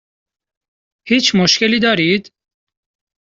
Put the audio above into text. هیچ مشکلی دارید؟